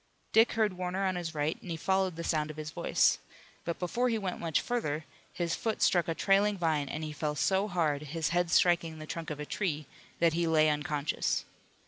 Dick heard Warner on his right, and he followed the sound of his voice. But before he went much further his foot struck a trailing vine, and he fell so hard, his head striking the trunk of a tree, that he lay unconscious.